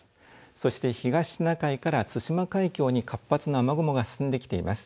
そして東シナ海から対馬海峡に活発な雨雲が進んできています。